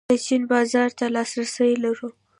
د چین بازار ته لاسرسی لرو؟